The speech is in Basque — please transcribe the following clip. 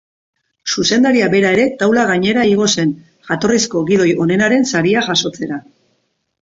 Zuzendaria bera ere taula gainera igo zen, jatorrizko gidoi onenaren saria jasotzera.